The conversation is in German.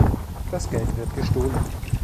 Das Geld wird gestohlen.